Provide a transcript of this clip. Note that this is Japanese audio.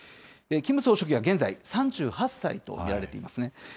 キム総書記は現在、３８歳と見られていますね。